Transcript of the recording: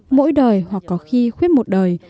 mỗi đời hoặc có khi khuyết một đời